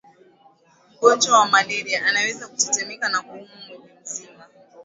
mgonjwa wa malaria anaweza kutetemeka na kuumwa mwili mzima